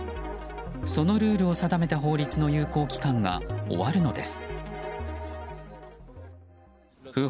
そのルールを定めた法律の有効期間が終わるのです。